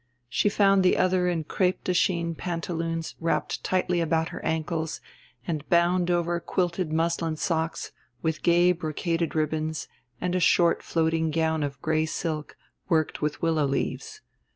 She found the other in crêpe de Chine pantaloons wrapped tightly about her ankles and bound over quilted muslin socks with gay brocaded ribbons and a short floating gown of gray silk worked with willow leaves.